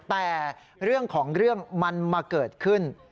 แต่เรื่องของเรื่องมันมาเกิดขึ้น